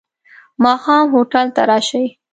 ماښام هوټل ته راشې.